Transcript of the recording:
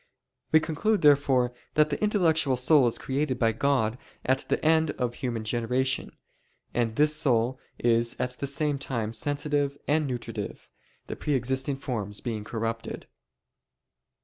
We conclude therefore that the intellectual soul is created by God at the end of human generation, and this soul is at the same time sensitive and nutritive, the pre existing forms being corrupted.